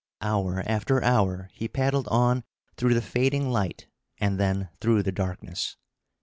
Hour after hour he paddled on through the fading light, and then through the darkness.